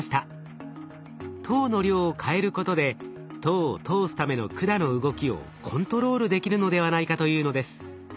糖の量を変えることで糖を通すための管の動きをコントロールできるのではないかというのです。